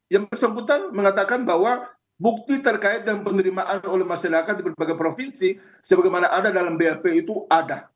yang bersangkutan mengatakan bahwa bukti terkait dengan penerimaan oleh masyarakat di berbagai provinsi sebagaimana ada dalam blp itu ada